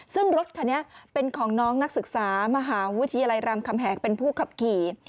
ซึ่งรถคันนี้เป็นของน้องนักศึกษามหาวิทยาลัยรามคำแหงเป็นผู้ขับขี่